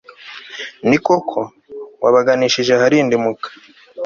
ni koko, wabaganishije aharindimuka